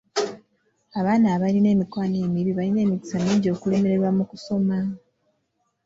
Abaana abalina emikwano emibi balina emikisa mingi okulemererwa mu kusoma.